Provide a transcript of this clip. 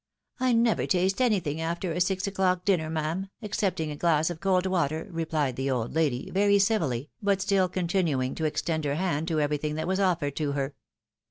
" I never taste anything after a six o'clock dinner, ma'am, excepting a glass of cold water," replied the old lady, very civilly, but still continuing to extend her hand to everytliing that was oflfered to her.